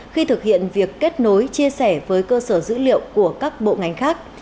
khi thực hiện việc kết nối chia sẻ với cơ sở dữ liệu của các bộ ngành khác